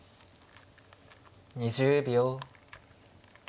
２０秒。